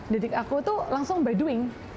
jadi aku tuh langsung by doing